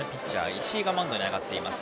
石井がマウンドに上がっています。